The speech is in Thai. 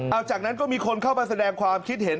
เอาจากนั้นก็มีคนเข้ามาแสดงความคิดเห็น